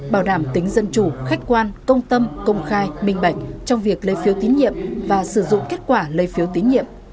bảo đảm tính dân chủ khách quan công tâm công khai minh bạch trong việc lấy phiếu tín nhiệm và sử dụng kết quả lấy phiếu tín nhiệm